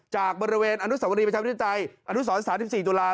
จากบริเวณอนุสสาวรีประชาวพิจัยอนุสสาธารณ์๑๔ตุลา